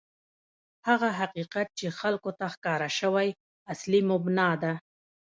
هغه حقیقت چې خلکو ته ښکاره شوی، اصلي مبنا ده.